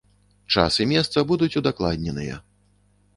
Час і месца будуць удакладненыя.